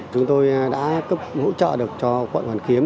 chúng tôi đã cấp hỗ trợ được cho quận hoàn kiếm